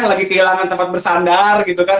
lagi kehilangan tempat bersandar gitu kan